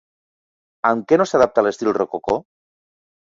Amb què no s'adapta l'estil rococó?